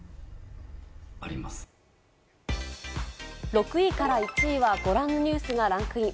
６位から１位はご覧のニュースがランクイン。